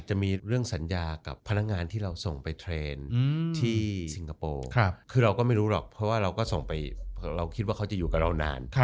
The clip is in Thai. จะมีเรื่องสัญญากับพนักงานที่เราส่งไปเทรนด์ที่สิงคโปร์คือเราก็ไม่รู้หรอกเพราะว่าเราก็ส่งไปเผื่อเราคิดว่าเขาจะอยู่กับเรานาน